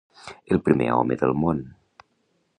El primer home del món.